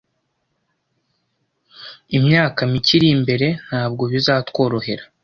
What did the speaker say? Imyaka mike iri imbere ntabwo bizatworohera.